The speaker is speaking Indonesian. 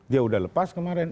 dia udah lepas kemarin